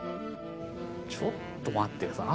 ちょっと待って下さい。